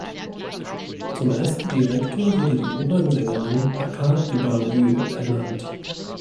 Zum ersten Direktor wurde die Opernsängerin "Aca de Barbu" ernannt.